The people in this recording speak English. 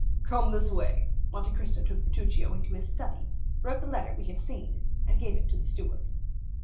"Come this way." Monte Cristo took Bertuccio into his study, wrote the letter we have seen, and gave it to the steward.